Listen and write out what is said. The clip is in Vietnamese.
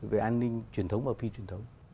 về an ninh truyền thống và phi truyền thống